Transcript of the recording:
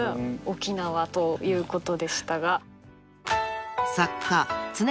沖縄ということでしたが。